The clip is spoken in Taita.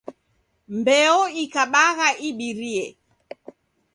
Mbeoikabagha ibirie!